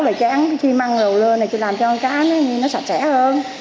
rồi chán chi măng rồi rồi làm cho cá nó sạch sẽ hơn